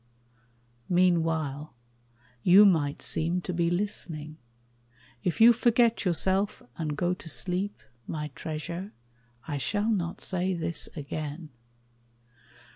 Meanwhile, you might seem to be listening: If you forget yourself and go to sleep, My treasure, I shall not say this again.